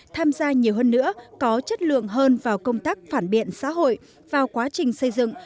tham gia nhiều hơn nữa có chất lượng hơn vào công tác phản biện xã hội vào quá trình xây dựng